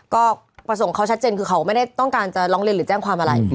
ก็ประสงค์เขาชัดเจนคือเขาไม่ได้ต้องการจะร้องเรียนหรือแจ้งความอะไร